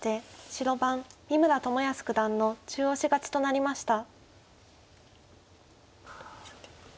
白番三村智保九段の中押し勝ちとなりました。